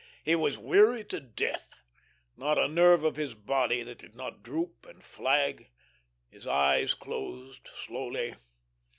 He was weary to death; not a nerve of his body that did not droop and flag. His eyes closed slowly.